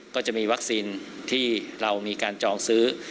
ก็จะมีวัคซีนที่เรามีการจองซื้อ